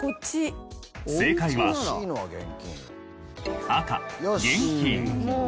正解は赤現金。